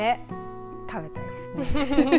食べてみたいですね。